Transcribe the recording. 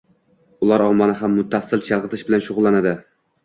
– ular ommani ham muttasil chalg‘itish bilan shug‘ullanadi.